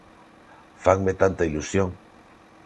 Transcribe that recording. Fanme tanta ilusión.